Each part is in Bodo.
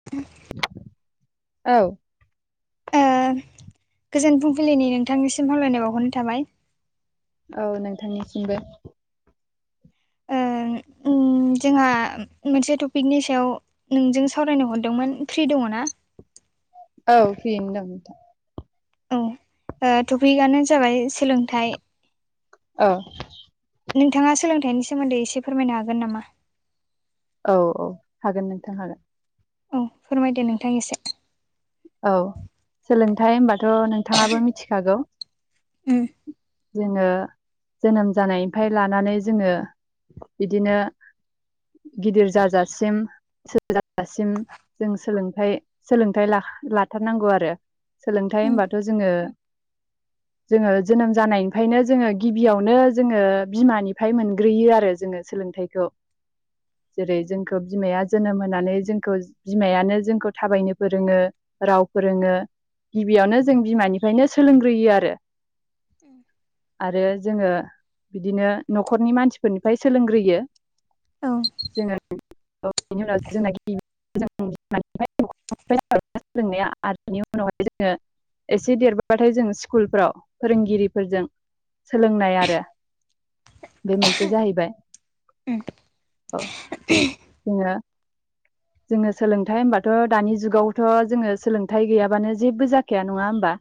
[inaudible] औ। ओ गोजोन फुंबिलिनि नोंथांनिसिम हामलायनाय बावहरनो थाबाय। औ नोंथांनिसिमबो। ओ जोंहा मोनसे टपिकनि सायाव नोंजों सावरायनो हरदोंमोन फ्रि दङ ना? औ फ्रियैनो दं नोंथां। औ ओ टपिकआनो जाबाय सोलोंथाइ औ। नोंथाङा सोलोंथाइनि सोमोन्दै इसे फोरमायनो हागोन नामा? औ-औ हागोन नोंथां हागोन। औ फोरमायदो नोंथां इसे। औ सोलोंथाइ होनबाथ' नोंथाङाबो मिथिखागौ। उम जोङो जोनोम जानायनिफ्राय लानानै जोङो इदिनो गिदिर जाजासिम [unintelligible] दासिम जों सोलोंथाइ सोलोंथाइ ला लाथारनांगौ आरो सोलोंथाइ उम होनबाथ' जोङो [inaudible] जोङो जोनोम जानायनिफ्रायनो जोङो गिबियावनो जोङो बिमानिफ्राय मोनग्रोयो आरो जोङो। सोलोंथाइखौ जेरै जोंखौ बिमाया जोनोम होनानै जोंखौ बिमायानो जोंखौ थाबायनो फोरोङो। राव फोरोङो, गिबियावनो जों बिमानिफ्रायनो सोलोंग्रोयो आरो। [inaudible] आरो जोङो बिदिनो न'खरनि मानसिफोरनिफ्राय सोलोंग्रोयो। औ [unintelligible] [unintelligible] आरो बिनि उनावहाय जोङो एसे देरबाबाथाय जों स्कुलफ्राव फोरोंगिरिफोरजों सोलोंनाय आरो बे मोनसे जाहैबाय उम अ जोङो जोङो सोलोंथाइ होनबाथ' दानि जुगावथ' जोङो सोलोंथाइ गैयाबानो जेबो जाखाया नङा होमबा?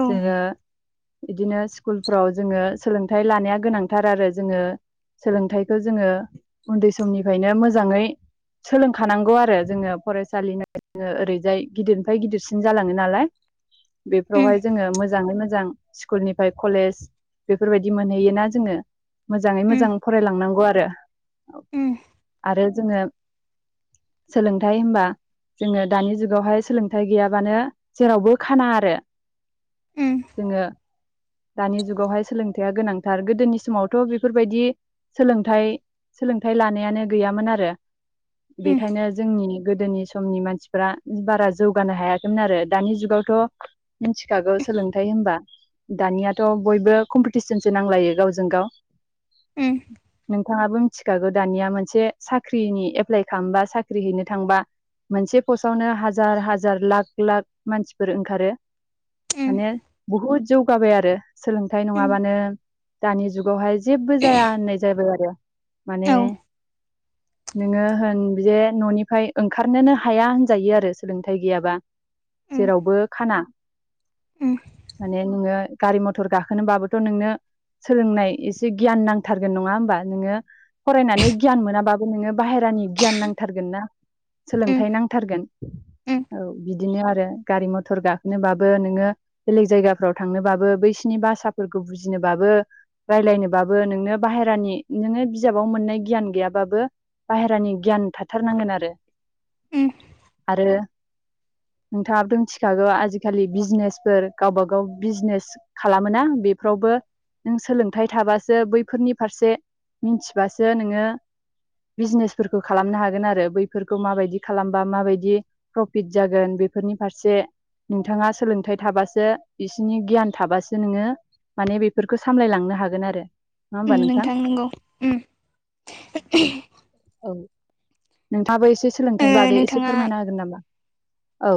औ जोङो इदिनो स्कुलफ्राव जोङो सोलोंथाइ लानाया गोनांथार आरो जोङो सोलोंथाइखो जोङो उन्दै समनिफ्रायनो मोजाङै सोलों खानांगौ आरो जोङो फरायसालि [unintelligible] जोङो ओरैजाय गिदिरनिफ्राय गिदिरसिन जालाङो नालाय। उम बेफोरावहाय जोङो मोजाङै मोजां स्कुलनिफ्राय कलेज बेफोरबायदि मोनहैयोना जोङो। मोजाङै मोजां फरायलांनांगौ आरो। ओम। आरो जोङो सोलोंथायाइ होमबा जोङो दानि जुगावहाय सोलोंथाइ गैयाबानो जेरावबो खाना आरो। उम जोङो दानि जुगावहाय सोलोंथाया गोनांथार गोदोनि समावथ' बेफोरबायदि सोलोंथाइ - सोलोंथाइ लानायानो गैयामोन आरो। उम बेखायनो जोंनि गोदोनि समनि मानसि फ्रा जौगानो हायाखैमोन आरो दानि जुगावथ' मिथिखागौ सोलोंथाइ होमबा। दानियाथ' बयबो कम्पिटिसनसो नांलायो गावजों गाव उम नों नोंथाङाबो मिथिखागौ दानिया मोनसे साख्रिनि एप्लाइ खालामबा साख्रि हैनो थांबा मोनसे पस्टावनो हाजार हाजार लाख लाख मानसिफोर ओंखारो। उम माने बहुद जौगाबाय आरो सोलोंथाइ उम नङाबानो दानि जुगावहाय जेबो जाया होननाय जाबाय आरो माने औ [inaudible] नोङो होन बजे न'निफ्राय ओंखारनोनो हाया होनजायो आरो सोलोंथाइ गैयाबा। उम जेरावबो खाना उम माने नोङो गारि मथर गाखोनोबाबोथ' नोंनो सोलोंनाय एसे गियान नांथारगोन नङा होमबा नोङो फरायनानै गियान मोनाबाबो नोङो बाहेरानि गियान नांथारगोन ना उम सोलोंथाइ नां थारगोन। औ बिदिनो आरो गारि मथर गाखोनोबाबो नोङो बेलेग जायगाफ्राव थांनोबा बो बैसिनि भाषाफोरखौ बुजिनोबाबो रायज्लायनोबाबो नोंनो बाहेरानि नोङो बिजाबाव मोननाय गियान गैयाबाबो बाहेरानि गियान थाथारनांगोन आरो उम आरो नोंथाङाथ' मिथिखागौ आजिखालि बिजनेसफोर गावबा गाव बिजनेस खालामोना बेफ्रावबो नों सोलोंथाइ थाबासो बैफोरनि फारसे मिनथिबासो नोङो बिजनेसफोरखौ खालामनो हागोन आरो बैफोरखौ माबायदि खालामबा माबायदि प्रफिट जागोन बेफोरनि फारसे नोंथाङा सोलोंथाइ थाबासो बिसिनि गियान थाबासो नोङो माने बेफोरखौ सामलायलांनो हागोन आरो नङा उम होमबा नोंथां नंगौ उम। औ नोंथाबो एसे ओ सोलोंथाइनि बागै एसे नोंथाङा फोरमायना होगोन नामा? औ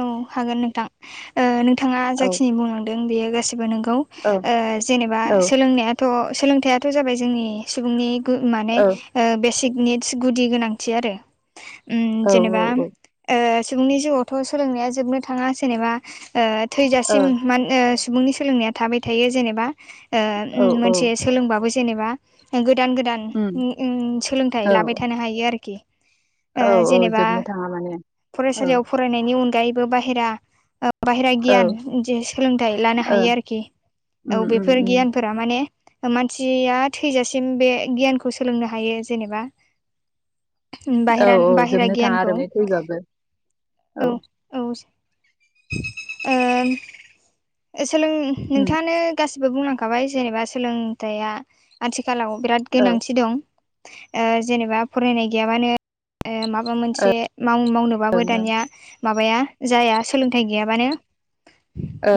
औ हागोन नोंथां ओ नोंथाङा औ जाखिनि बुंलांदों बेयो गासिबो नोंगौ। औ ओ जेनेबा औ सोलोंनायाथ' सोलोंथाइयाथ' जाबाय जोंनि सुबुंनि माने औ ओ बेसिक निड्स गुदि गोनांथि आरो उम औ जेनेबा ओ सुबुंनि जिउआवथ' सोलोंनाया जोबनो थाङा जेनेबा ओ औ थैजासिम मा ओ सुबुंनि सोलोंनाया थाबाय थायो जेनेबा औ औ मोनसे सोलोंबाबो जेनेबा गोदान गोदान उम उम सोलोंथाइ औ लाबाय थानो हायो आरोखि। ओ औ औ जेनेबा जोबनो थाङा माने औ फरायसालियाव फरायनायनि अनगायैबो बाहेरा ओ बायहेरा औ गियान जे सोलोंथाइ लानो ओ हायो आरोखि उम औ उम बेफोर उम गियानफो फोरा माने मानसिया थैजासिम बे गियानखौ सोलोंनो हायो जेनेबा औ बाहेरान औ बाहेरा जोबनो गियानखौ। [unintelligible] औ औ ओ सोलों उम नोंथाङानो गासिबो बुंलांखाबाय जेनेबा सोलोंथाइआ आथिखालाव बिराद औ ओं गोनांथि दं। ओ जेनेबा फरायनाय गैयाबानो ओ माबा मोनसे माव मावनोबाबो ओं दानिया माबाया जाया सोलोंथाइ गैयाबानो।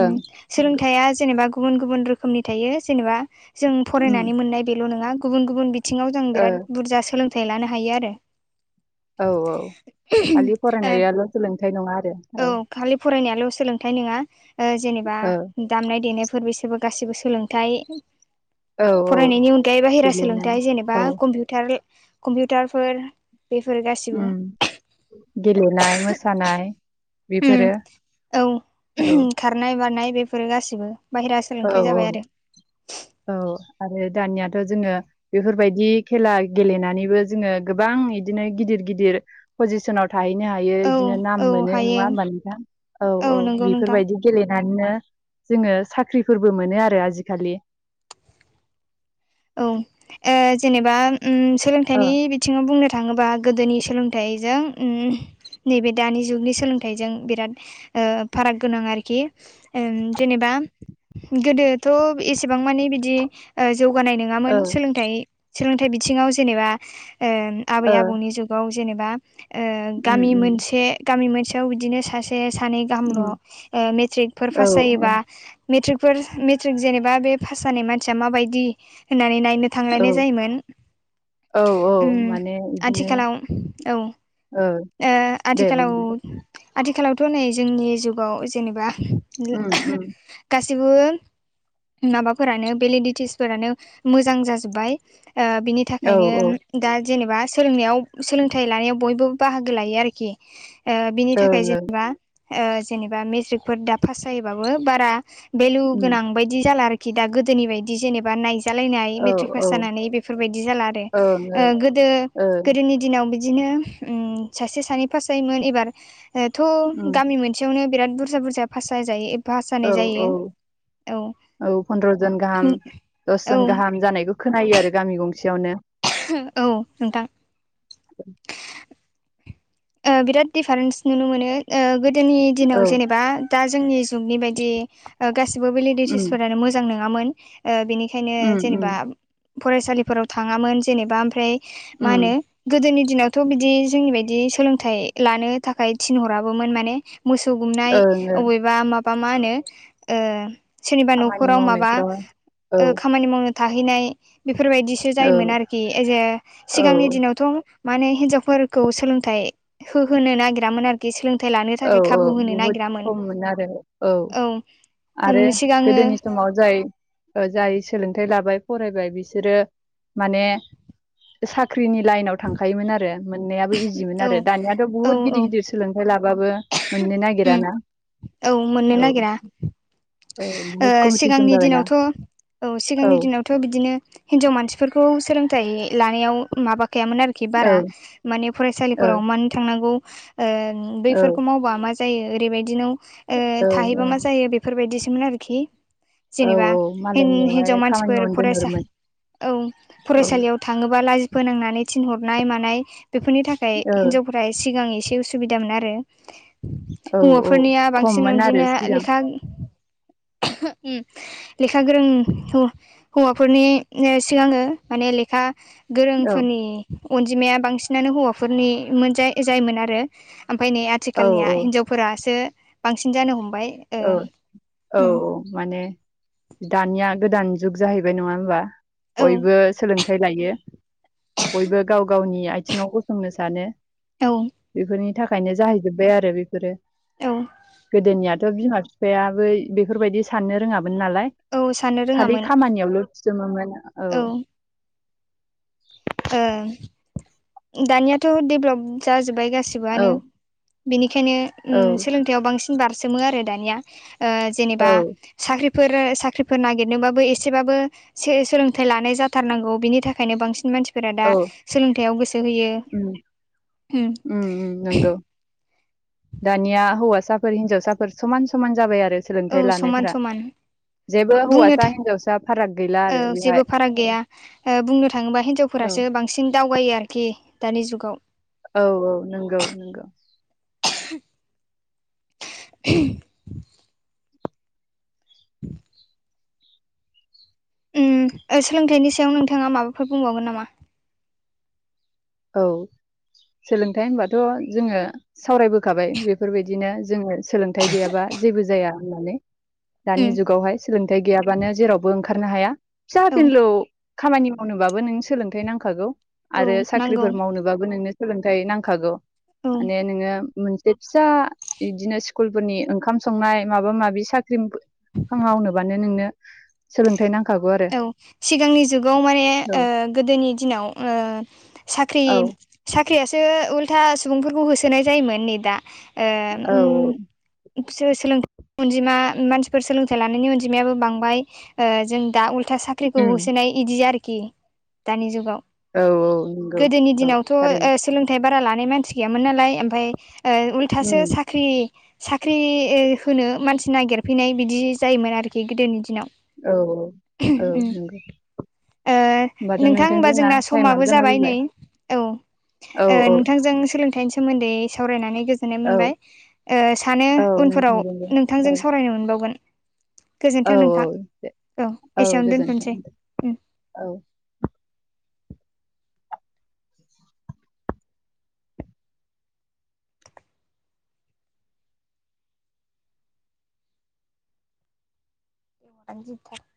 उम नंगौ सोलोंथाइया जेनेबा गुबुन गुबुन रोखोमनि थायो जेनेबा जों उम फरायनानै मोननाय बेल' नङा गुबुन गुबुन बिथिङाव जों ओ बिराद बुरजा सोलोंथाइ लानो हायो आरो। औ औ खालि फरायनायाल' सोलोंथाइ नङा आरो औ। खालि फरायनायाल' सोलोंथाइ नङा ओ जेनेबा ओ दामनाय देनायफोर बिसोरबो गासिबो सोलोंथाइ। औ औ फरायनायनि अनगायै बाहेरा गेलेनाय सोलोंथाइ जेनेबा औ कम्पिउटार कम्पिउटारफोर। बेफोर गासि उ गेलेनाय मोसानाय उम बेफोरो औ औ। खारनाय बारनाय बेफोरो गासिबो। बाहेरा औ सोलोंथाइ औ। [inaudible] औ आरो दानियाथ' जोङो बेफोरबायदि खेला गेलेनानैबो जोङो गोबां बिदिनो गिदिर गिदिर पजिसनाव थाहैनो हायो औ बिदिनो औ नाम मोनो हायो नङा होमब नोंथां औ औ नंगौ नोंथां बेफोरबायदि गेलेनानैनो जोङो साख्रिफोरबो मोनो आरो आजिखालि। औ ए जेनेबा ओम ओ सोलोंथाइनि बि बिथिङाव बुंनो थाङोबा गोदोनि सोलोंथाइजों ओम नैबे दानि जुगनि सोलोंथाइजों बिराद ओ फाराग गोनां आरोखि। ओ जेनेबा गोदोथ' एसेबां माने बिदि ओ जौ गानाय नङामोन ओ सोलोंथाय सोलोंथाइ बिथिङाव जेनेबा आबै ओ आबौनि जुग जेनेबा ओ उम गामि उम मोनसे गामि मोनसेयाव बिदिनो सासे सानै गाहामल' उम ओ मेट्रिकफोर औ पास जायोबा मट्रिकफोर मेट्रिक जेनेबा बे पास जानाय मानसिया माबायदि होननानै नायनो थांलायनाय औ जायोमोन औ औ ओम माने बिदिनो आथिखालाव औ ओ आ दे बुं आथिखालाव आथिखालावथ' नै जोंनि जुगाव जेनेबा उम उम गासिबो माबाफोरानो भलिडटिस फोरानो मोजां जाजोब्बाय ओ बिनि औ ओं थाखायनो दा जेनेबा सोंनायाव सोलोंथाइ लानायाव बयबो बाहागो लायो आरोखि। ओ बिनि थाखाय ओं जेनेबा ओ जेनेबा मेट्रिकफोर दा पास जायोबाबो बारा भेलु उम गोनां बायदि जाला आरोखि दा गोदोनि बायदि जेनेबा नाय नायजा लानाय औ मेट्रिक औ पास ओं जानानै बेफोर बादि जाला आरो ओं ओ गोदो ओं गोदोनि दि दिनाव बिदिनो ओम सासे सानै पास जायोमोन एबारथ' उम गामि मोन खनसेयावनो बिराद बुरजा बुरजा फास जाजायो। पास जानाय औ जायो औ औ औ पनन्द्र'जन गाहाम औ दसजन गाहाम जानायखौ खोनायो आरो गामि गंसेयावनो। औ नोंथां ओ बिराद दिडफारेन्स नुनो मोनो ओ गोदोनि दिनाव औ जेनेबा दा जोंनि जुगनि बायदि ओ गासिबो उम भेलिडटिसफोरानो मोजां नोङामोननि ओ बेनि खायनो उम उम जेनेबा फरायसालिफोराव थाङामोन जेनेबा ओमफ्राय मा उम होनो गोदोनि दिनावथ' बिदि जोंनि बायदि सोलोंथाइ लानो थाखाय थिनहराबोमोन माने मोसौ गुमनाय ओं ओं अबेबा माबा मा होनो ओ सोरनिबा खामानि न'खराव माबा मावनायफ्राव औ ओ खामानि मावनो थाहैनाय बेफोरबायदिसो जायोमोन औ आरोखि एजे सिगांनि औ दिनावथ' माने हिन्जावफोरखौ सोलोंथाइ होहोनो नागिरामोन आरो। औ औ बहुद खममोन आरो औ आरो औ सिगाङो गोदोनि समाव जाय जाय ओ सोलोंथाइ लाबाय फरायबाय बिसोरो माने साख्रिनि लाइनाव थांखायोमोन आरो मोननायाबो इजिमोन औ आरो दानियाथ' बहुद गिदिर गिदिर सोलोंथाइ लाबाबो मोननो ओम नागिराना औ मोननो औ नागिरा। औ ओ बुहुद कम्पिटिसन सिगांनि जाबायना दिनावथ' औ सिगांनि दिनाव थ' बिदिनो हिनजाव मानसिफोरखौ सोलोंथाइ लानायाव माबाखायामोन आरो खि औ बारा माने औ फरासालिफोराव मानो थांनांगौ ओ बैफोरखौ मावबा मा जायो ओरैबायदिनाव ओ औ थाहैबा मा जायो बेफोरबायदिसोमोन आरोखि। औ जेनेबा मालायनियावहाय हि-हिनजाव खामानि मानसिफोर मावनो फरायसा दोनहरोमोन औ औ फरायसालियाव थाङोबा लाजि फोनांनानै थिनहरनाय मानाय बेफोरनि थाखाय औ हिनजाव फोरा सिगां एसे उसुबिदामोन आरो। औ औ हौवाफोरनिया बांसिन खममोन आरो अनजिमाया सिगां लेखा लेखा गोरों हो-हौवाफोरनि सिगाङो माने लेखा औ गोरोंफोरनि अनजिमाया बांसिनानो हौवाफोरनि मोन जा-जायोमोन आरो। ओमफ्राय नै औ आथिखालनिया हिनजाव फोरासो बांसिन जानो हमबाय। ओ औ औ उम औ माने दानिया गोदान जुग जाहैबाय नङा होमबा। औ बयबो सोलोंथाइ लायो। बयबो गाव गावनि आइथिङाव गसंनो सानो। औ बेफोरनि था खायनो जाहैजोब्बाय आरो बेफोरो। औ गोदोनिया थ' बिमा बिफायाबो बेफोरबायदि साननो रोङामोन नालाय। औ साननो खालि रोङामोन खामानियावल' थिसोमोमोन औ। ओं दानियाथ' देपलब जाजोब्बाय औ गासिबोआनो बेनिखायनो औ उम सोलों साख्रिआव बांसिन बारसोमो आरो दानिया। ओ औ जेनेबा साख्रिफोर साख्रिफोर नागिरनोबाबो एसेबाबो सो-सोलोंथाइ लानाय जाथारनांगौ बिनि थाखायनो बांसिन मानसि फोरा औ दा सोलोंथायाव गोसो होयो उम उम। उम नंगौ दानिया हौवासाफोर हिनजावसाफोर समान समान जाबाय आरो औ सोलोंथाइ समान लानायफोरा। समान जेबो बुंनो हौवासा थां हिनजावसा फाराग गैला आरो बेहाय जेबो फाराग औ गैया। ओ बुंनो थाङोबा औ हिनजावफोरासो बां बांसिन दावगायो आरोखि दानि जुगाव। औ औ नोंगौ नोंगौ। [inaudible] उम सोलोंथाइनि सायाव नोंथाङा माबाफोर बुंबावगोन नामा? औ सोलोंथाइ होनबाथ' जोङो सावरायबोखाबाय बेफोरबायदिनो जोङो सोलोंथाइ गैयाबा जेबो जाया होननानै। दानि उम जुगावहाय सोलोंथाइ गैयाबानो जेरावबो ओंखारनो हाया। फिसा औ फिनलौ खामानि मावनोबाबो नों सोलोंथाइ नांखागौ औ आरो सा नांगौ मावनोबाबो नोंनो सोलोंथाइ नांखागौ। औ माने नोङो मोन बे फिसा बिदिनो स्कुलफोरनि ओंखाम संनाय माबा माबि साख्रि [unintelligible] मावनोबानो नोंनो सोलोंथाइ नांखागौ आरो। औ सिगांनि जुगाव माने औ ओ गोदोनि ओ दिनाव ओ साख्रि औ साख्रियासो उल्था सुबुंफोरखौ होसोनाय जायोमोन नै दा ओ उम औ सो-सोलोंथाय अनजिमा मानसिफोर सोलोंथाइ लानायनि अनजिमायाबो बांबाय। ओ जों दा उल्था साख्रिखौ उम होसोनाय इदि आरोखि दानि जुगाव। औ औ नोंगौ गोदोनि औ दिनावथ' थारैनो। ओ सोलोंथाइ बारा लानाय मानसि गैयामोन नालाय ओमफाय ओ उम उल्थासो सा ख्रि साख्रि होनो मानसि नागिरफैनाय बिदि जायोमोन आरोखि गोदोनि दिनाव। औ औ औ उम नोंगौ। ओ नोंथां होनबा जोंना टाइमाबो समाबो जाना जाबाय नै फैबाय औ। औ ओ औ नोंथांजों सोलोंथाइनि सोमोन्दै सावरायनानै गो जोननाय औ मोनबाय। ओ सानो औ उनफोराव नोंथांजोंबो नोंथांजों औ सावरायनो मोनबावगोन। औ गोजोन्थों औ नोंथां दे औ। औ एसेयावनो गोजोन्थों दोनथ'नोसै दे औ। [inaudible]